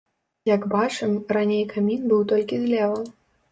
Як бачым, раней камін быў толькі злева.